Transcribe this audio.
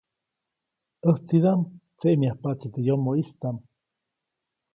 ʼÄjtsidaʼm tseʼmyajpaʼtsi teʼ yomoʼistaʼm.